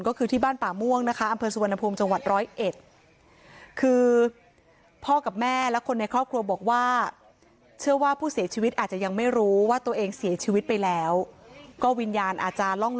ก็คือที่บ้านป่าม่วงนะคะอำเภอสุวรรณภูมิจังหวัดร้อยเอ็ด